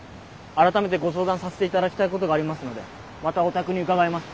改めてご相談させていただきたいことがありますのでまたお宅に伺います。